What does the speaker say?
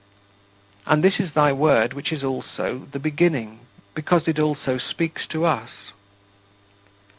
And this is thy Word, which is also "the Beginning," because it also speaks to us.